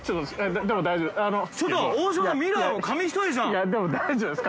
いやでも大丈夫です。